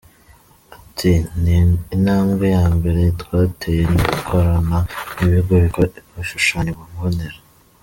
Ati “Intambwe ya mbere twateye ni ugukorana n’ibigo bikora ibishushanyo mbonera.